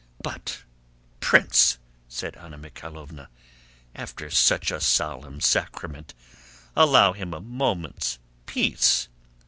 "But, Prince," said Anna Mikháylovna, "after such a solemn sacrament, allow him a moment's peace!